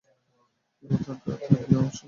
এই মতে জ্ঞাতা এবং জ্ঞেয় বিষয় সর্বত্র পরস্পর-বিরুদ্ধ।